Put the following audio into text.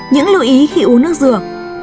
những lưu ý khi uống nước dừa